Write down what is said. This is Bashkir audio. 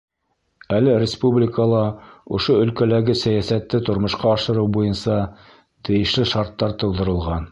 Әле республикала ошо өлкәләге сәйәсәтте тормошҡа ашырыу буйынса тейешле шарттар тыуҙырылған.